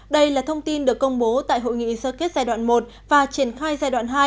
đây là thông tin được công bố tại hội nghị sơ kết giai đoạn một và triển khai giai đoạn hai